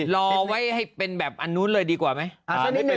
รอไว้ให้เป็นแบบอันนู้นเลยดีกว่าไหม